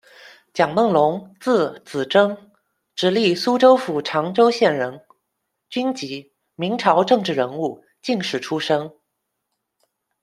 蒋梦龙，字子征，直隶苏州府长洲县人，军籍，明朝政治人物、进士出身。